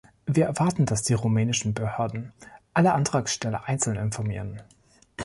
Wir erwarten, dass die rumänischen Behörden alle Antragsteller einzeln informieren.